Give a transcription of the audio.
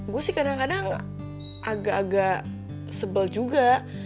gue sih kadang kadang agak agak sebel juga